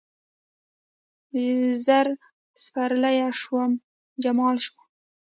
زر سپرلیه شوم، جمال شوم